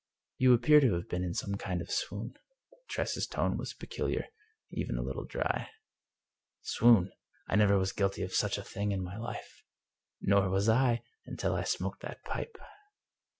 You appear to have been in some kind of swoon." Tress's tone was peculiar, even a little dry. " Swoon! I never was guilty of such a thing in my life." " Nor was I, until I smoked that pipe."